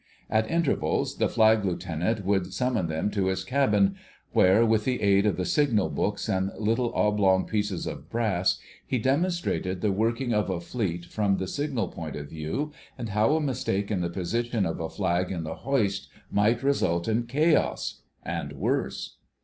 At intervals the Flag Lieutenant would summon them to his cabin, where, with the aid of the Signal Books and little oblong pieces of brass, he demonstrated the working of a Fleet from the signal point of view, and how a mistake in the position of a flag in the hoist might result in chaos—and worse.